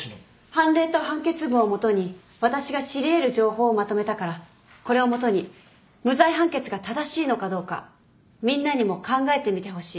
判例と判決文をもとに私が知り得る情報をまとめたからこれをもとに無罪判決が正しいのかどうかみんなにも考えてみてほしい。